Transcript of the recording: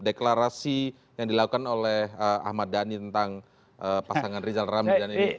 deklarasi yang dilakukan oleh ahmad dhani tentang pasangan rizal ramlian ini